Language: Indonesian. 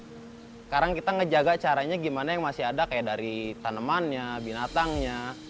sekarang kita menjaga caranya bagaimana yang masih ada seperti dari tanamannya binatangnya